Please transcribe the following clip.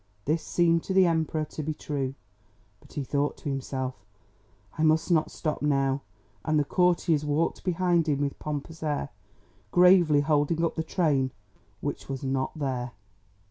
This seemed to the Emperor to be true; but he thought to himself, "I must not stop now." And the courtiers walked behind him with pompous air, gravely holding up the train which was not there.